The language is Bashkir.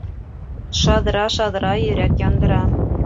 Шаҙра, шаҙра йөрәк яндыра.